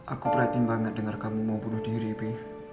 aku perhatiin banget denger kamu mau bunuh diri bi